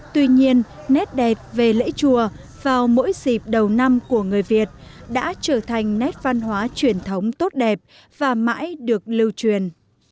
tuy nhiên nét đẹp về lễ chùa vào mỗi dịp đầu năm của người việt đã trở thành nét văn hóa truyền thống tốt đẹp và mãi được lưu truyền